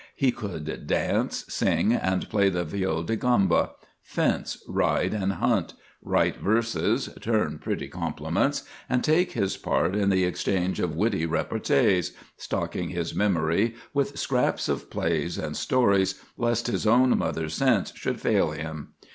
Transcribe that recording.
He could dance, sing, and play the viol de gamba; fence, ride, and hunt; write verses, turn pretty compliments, and take his part in the exchange of witty repartees, stocking his memory with scraps of plays and stories, lest his own mother sense should fail him.